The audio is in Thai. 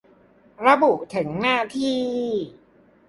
ระบุถึงหน้าที่